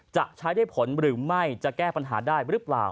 จะใช้ได้ผลหรือไม่จะแก้ปัญหาได้หรือเปล่า